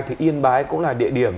thì yên bái cũng là địa điểm